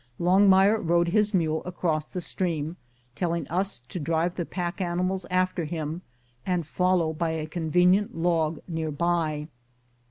Longmire rode his mule across the stream, telling us to drive the pack animals after him and follow by a convenient log near by.